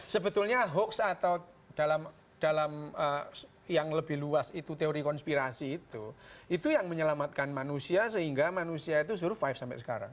sebetulnya hoax atau dalam yang lebih luas itu teori konspirasi itu itu yang menyelamatkan manusia sehingga manusia itu survive sampai sekarang